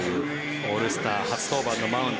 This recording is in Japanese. オールスター初登板のマウンド。